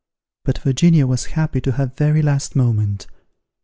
But Virginia was happy to her very last moment.